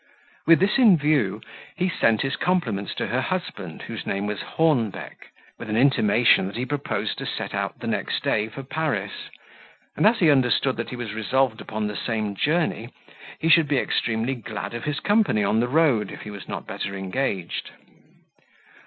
With this view, he sent his compliments to her husband whose name was Hornbeck, with an intimation that he proposed to set out the next day for Paris, and as he understood that he was resolved upon the same journey, he should be extremely glad of his company on the road, if he was not better engaged.